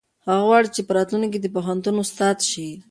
هغه غواړي چې په راتلونکي کې د پوهنتون استاد شي.